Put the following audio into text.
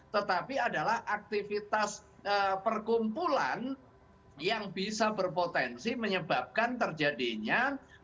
tetapi adalah aktivitas perkumpulan yang bisa berpotensi menyebabkan terjadinya